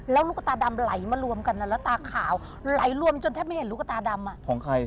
แล้วลูกตาดำไหลมารวมกันแล้วตาขาวไหลรวมจนแทบไม่เห็นลูกตาดำของใคร